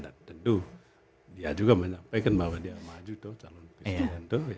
tentu dia juga menyampaikan bahwa dia maju tuh